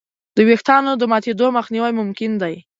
د وېښتیانو د ماتېدو مخنیوی ممکن دی.